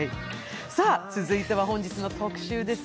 続いては本日の特集です。